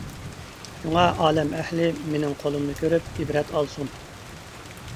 شۇڭا ئالەم ئەھلى مېنىڭ قولۇمنى كۆرۈپ ئىبرەت ئالسۇن.